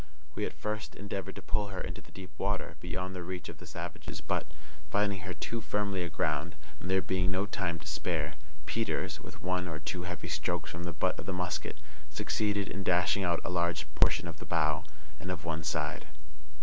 We at first endeavored to pull her into the deep water, beyond the reach of the savages, but, finding her too firmly aground, and there being no time to spare, Peters, with one or two heavy strokes from the butt of the musket, succeeded in dashing out a large portion of the bow and of one side.